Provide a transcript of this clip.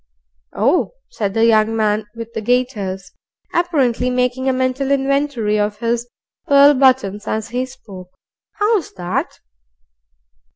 "Oh!" said the young man with the gaiters, apparently making a mental inventory of his pearl buttons as he spoke. "How's that?"